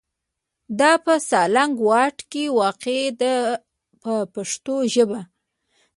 دا په سالنګ واټ کې واقع ده په پښتو ژبه.